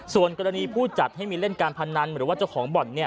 ส่วนกรณีผู้จัดให้มีเล่นการพนันหรือว่าเจ้าของบ่อน